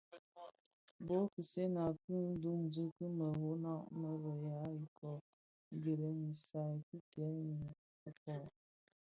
Bōō ghèsènga ki dhōňzi bi meroňa më bë ya iköö gilèn i isal ki dèm dhi fikoň.